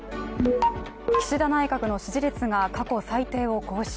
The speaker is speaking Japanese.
岸田内閣の支持率が過去最低を更新。